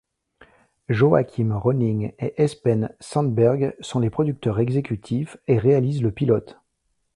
Joachim Rønning et Espen Sandberg sont les producteurs exécutifs et réalisent le pilote.